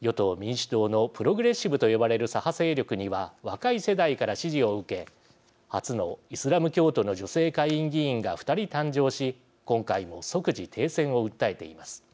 与党民主党のプログレッシブと呼ばれる左派勢力には若い世代から支持を受け初のイスラム教徒の女性下院議員が２人誕生し今回も即時停戦を訴えています。